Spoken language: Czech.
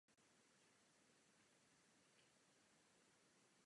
Jeho zetěm je bývalý fotbalista Robert Vágner.